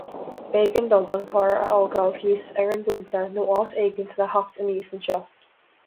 B'éigean dom an carr a fhágáil thíos ar an bPointe nó áit éicint le theacht aníos anseo.